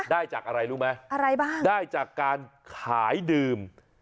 ได้จากอะไรรู้ไหมอะไรบ้างได้จากการขายดื่ม